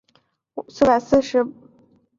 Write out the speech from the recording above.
分布于西南大西洋区阿根廷南部海域。